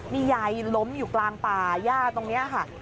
นี่ยายล้มอยู่กลางป่าย่าตรงนี้ค่ะ